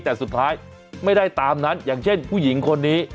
แต่สุดท้ายไม่ได้ตามนั้นอย่างเช่นผู้หญิงคนนี้